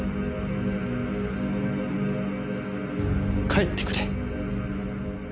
帰ってくれ。